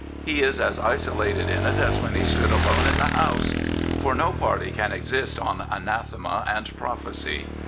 He is as isolated in it as when he stood alone in the House. For no party can exist on anathema and prophecy.